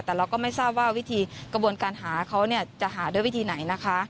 แต่เราก็ไม่ทราบว่าวิธีกระบวนการหาเขาจะหาด้วยวิธีไหนนะคะ